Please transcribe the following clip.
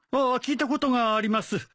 ああ聞いたことがあります。